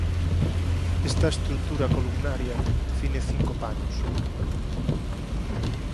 Esta estrutura columnaria define cinco panos.